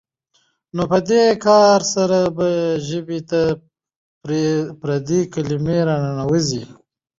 نو په دې کار سره به ژبې ته پردۍ کلمې راننوځي.